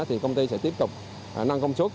thì công ty sẽ tiếp tục nâng công suất